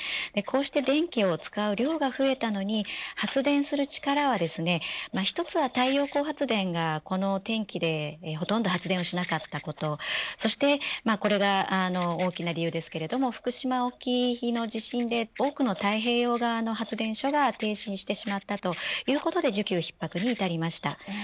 こうして電気を使う量が増えたのに発電する力は１つは太陽光発電がこの天気でほとんど発電をしなかったことそしてこれが大きな理由ですが、福島沖の地震で多くの太平洋側の発電所が停止してしまったということで需給ひっ迫に至りました。